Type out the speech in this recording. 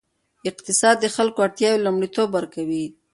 اقتصاد د خلکو اړتیاوې لومړیتوب ورکوي.